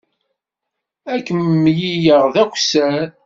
Ad kem-mlileɣ d akessar.